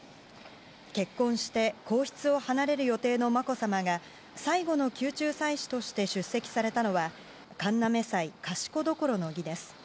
結婚して皇室を離れる予定のまこさまが最後の宮中祭祀として出席されたのは神嘗祭賢所の儀です。